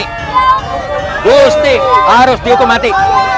hukum mati hukum mati hukum mati